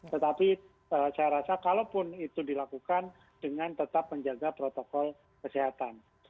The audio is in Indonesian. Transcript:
tetapi saya rasa kalaupun itu dilakukan dengan tetap menjaga protokol kesehatan